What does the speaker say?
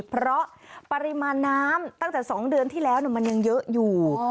เพราะปริมาณน้ำตั้งแต่๒เดือนที่แล้วมันยังเยอะอยู่